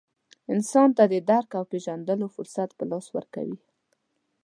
انسان ته د درک او پېژندلو فرصت په لاس ورکوي.